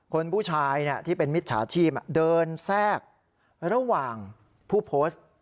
คนผู้ชายที่เป็นมิดกรรมภาพธิบายโภย์เดินแสกระหว่างผู้โพสต์